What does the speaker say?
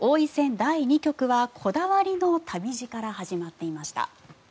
第２局はこだわりの旅路から始まっていました。